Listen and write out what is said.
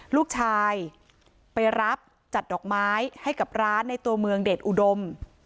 ลูกชายไปรับจัดดอกไม้ให้กับร้านในตัวเมืองเดชอุดม